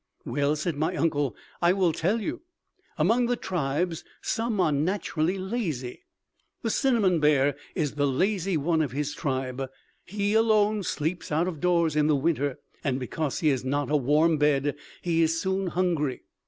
"Well," said my uncle, "I will tell you. Among the tribes, some are naturally lazy. The cinnamon bear is the lazy one of his tribe. He alone sleeps out of doors in the winter, and because he has not a warm bed, he is soon hungry.